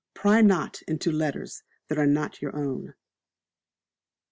Pry not into Letters that are not your own.